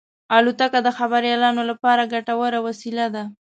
الوتکه د خبریالانو لپاره ګټوره وسیله ده.